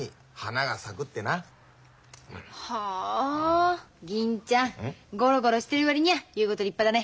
あ銀ちゃんゴロゴロしてる割にゃ言うこと立派だね。